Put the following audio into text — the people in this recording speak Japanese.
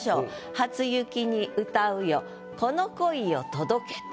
「初雪に歌うよこの恋よ届け」と。